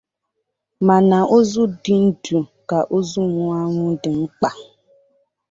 mana ozu dị ndụ ka ozu nwụrụ anwụ dị mkpa.